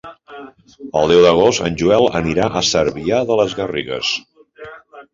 El deu d'agost en Joel anirà a Cervià de les Garrigues.